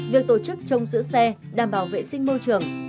việc tổ chức trông giữ xe đảm bảo vệ sinh môi trường